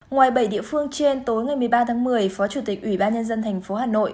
ngoài bảy địa phương trên tối ngày một mươi ba tháng một mươi phó chủ tịch ủy ban nhân dân thành phố hà nội